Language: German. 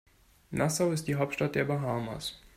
Nassau ist die Hauptstadt der Bahamas.